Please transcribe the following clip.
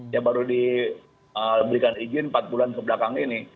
ya baru diberikan izin empat bulan kebelakang ini